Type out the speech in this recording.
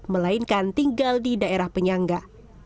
melainkan tinggal di daerah penyangga